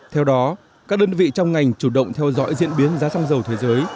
theo đó các đơn vị trong ngành chủ động theo dõi diễn biến giá xăng dầu thế giới